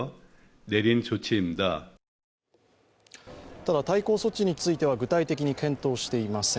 ただ、対抗措置については具体的に検討していません。